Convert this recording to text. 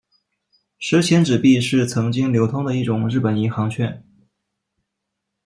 十钱纸币是曾经流通的一种日本银行券。